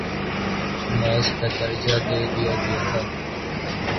match کا درجہ دے دیا گیا تھا